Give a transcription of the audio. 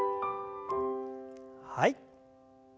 はい。